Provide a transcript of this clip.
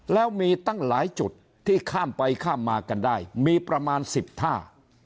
แล้วมีตั้งหลายจุดที่ข้ามไปข้ามมากันได้มีประมาณ๑๐ท่า